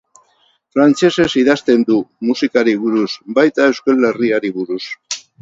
Frantsesez idazten du, musikari buruz, baita Euskal Herriari buruz.